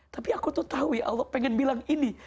tapi aku tuh tahu ya allah pengen bilang ini